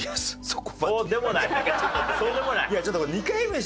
そうでもない。